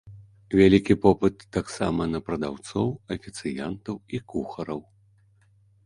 Вялікі попыт таксама на прадаўцоў, афіцыянтаў і кухараў.